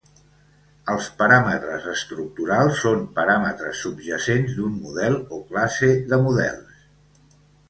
Els paràmetres estructurals són paràmetres subjacents d'un model o classe de models.